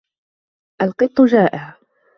الْقِطُّ جَائِعٌ.